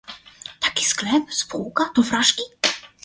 "Taki sklep, spółka, to fraszki?"